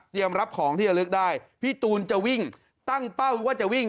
รับของที่จะลึกได้พี่ตูนจะวิ่งตั้งเป้าว่าจะวิ่ง